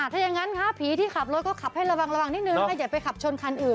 ถ้ายังงั้นค่ะผีที่ขับรถก็ขับให้ระวังนิดนึงไม่ได้ไปขับชนคันอื่น